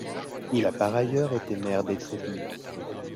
Il a par ailleurs été maire d'Étrépilly.